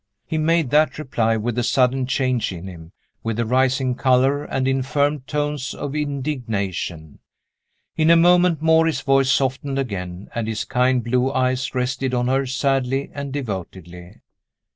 He made that reply with a sudden change in him with a rising color and in firm tones of indignation. In a moment more, his voice softened again, and his kind blue eyes rested on her sadly and devotedly.